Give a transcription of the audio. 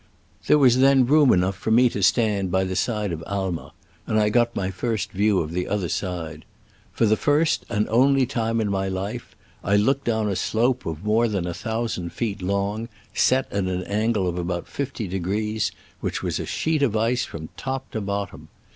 There was then room enough for me to stand by the side of Aimer, and I got my first view of the other side. For the first and only time in my life I look ed down a slope of more than a thou sand feet long, set at an angle of about fifty degrees, which was a sheet of ice from top to bottom.